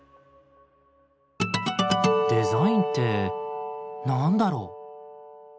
「デザインって何だろう？」。